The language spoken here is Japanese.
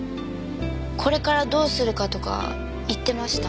これからどうするかとか言ってました？